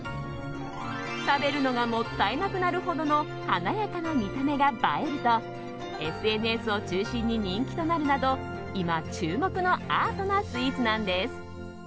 食べるのがもったいなくなるほどの華やかな見た目が映えるとＳＮＳを中心に人気となるなど今、注目のアートなスイーツなんです。